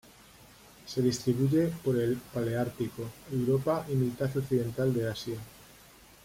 Se distribuye por el paleártico: Europa y mitad occidental de Asia.